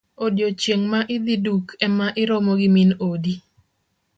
Odiochieng' ma idhi duk ema irome gi min odi.